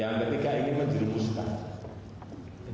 yang ketiga ingin menjerumuskan